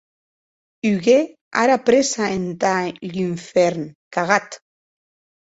Húger ara prèssa entath lunfèrn, cagat!